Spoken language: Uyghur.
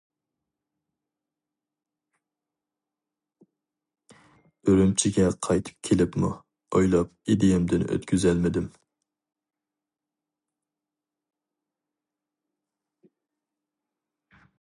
ئۈرۈمچىگە قايتىپ كېلىپمۇ، ئويلاپ ئىدىيەمدىن ئۆتكۈزەلمىدىم.